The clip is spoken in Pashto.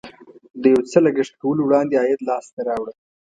د یو څه لګښت کولو وړاندې عاید لاسته راوړه.